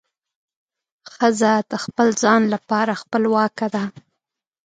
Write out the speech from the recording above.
ښځه د خپل ځان لپاره خپلواکه ده.